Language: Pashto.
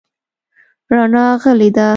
رڼا غلې ده .